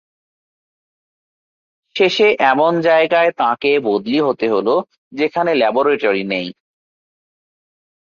শেষে এমন জায়গায় তাঁকে বদলি হতে হল যেখানে ল্যাবরেটরি নেই।